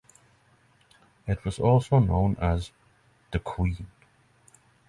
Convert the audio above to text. It also was known as The Queen.